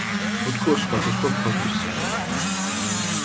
ბუტკო სხვადასხვა ფორმისაა.